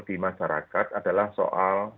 di masyarakat adalah soal